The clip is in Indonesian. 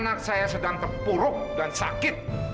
anak saya sedang terpuruk dan sakit